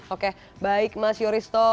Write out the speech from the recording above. oke baik mas yuristo